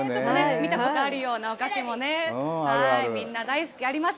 見たことあるようなお菓子も、みんな大好き、あります。